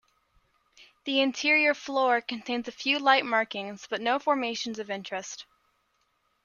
The interior floor contains a few light markings but no formations of interest.